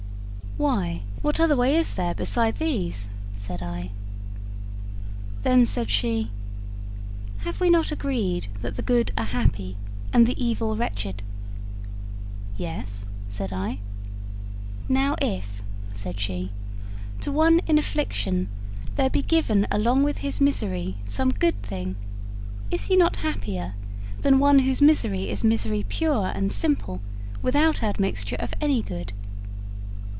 'Why, what other way is there beside these?' said I. Then said she: 'Have we not agreed that the good are happy, and the evil wretched?' 'Yes,' said I. 'Now, if,' said she, 'to one in affliction there be given along with his misery some good thing, is he not happier than one whose misery is misery pure and simple without admixture of any good?'